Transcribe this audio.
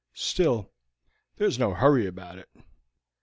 Still, there is no hurry about it."